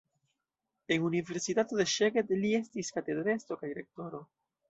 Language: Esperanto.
En universitato de Szeged li estis katedrestro kaj rektoro.